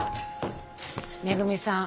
めぐみさん